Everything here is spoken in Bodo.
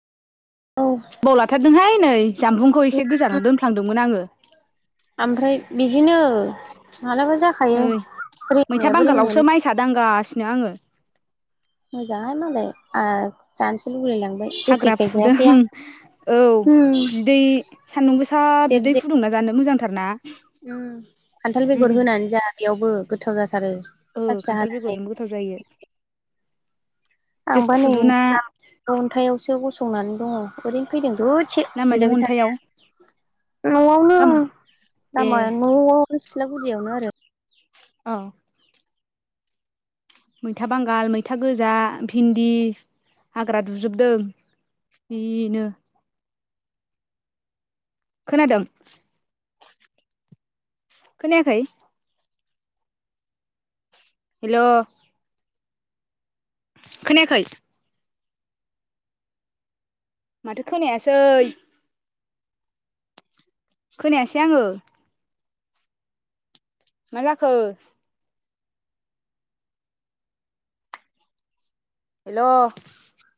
औ बबाव लाथारदोंहाय नै जामबुंखौ एसे गोजानाव दोनफ्लांदोंमोन आङो। ओमफ्राय बिदिनो मालाबा नै जाखायो। मैथा रोंनायाबो बांगालावसो रोंनानै माइसा दांगासिनो आङो। मोजाङाहाय मालाय आ जानोसै लुगैलायलां हाग्रा फुदों औ। उम बिदै सान्दुं गोसा जेब बिदै फुदुंना जानो मोजां उम खान्थाल उम बेगर होनानै जा बेयावबो गोथाव जा थारो ओ फिसा फिसा खान्थाल हानानै। बेगरजोंबो गोथाव जायो बे आंबा नै खुदुना अन्थायावसो गसंनानै दङ ओरैनो फैदों दसे ना मानि जिरायबाय अन्थायाव थानाया न'आवनो ना मा ए लामा न'आव सिलागुदियावनो आरो। अ मैथा बांगाल मैथा गोजा भिन्दि हाग्रा दुजोबदों जिनो। खोनादों खोनायाखै? हेल' खोनायाखै। माथो खोनायासै खोनायासै आङो मा जाखो? हेल'